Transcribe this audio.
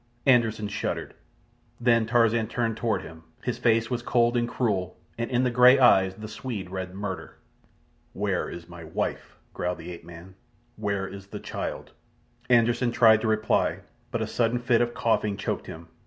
Anderssen shuddered. Then Tarzan turned toward him. His face was cold and cruel, and in the grey eyes the Swede read murder. "Where is my wife?" growled the ape man. "Where is the child?" Anderssen tried to reply, but a sudden fit of coughing choked him.